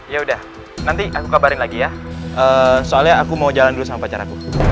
ya udah nanti aku kabarin lagi ya soalnya aku mau jalan dulu sama pacar aku